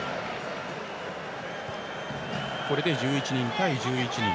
これで１１人対１１人。